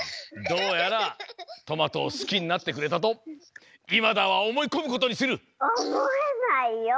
どうやらトマトをすきになってくれたとイマダーは思いこむことにする！